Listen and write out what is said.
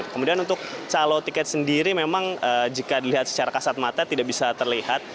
kemudian untuk calon tiket sendiri memang jika dilihat secara kasat mata tidak bisa terlihat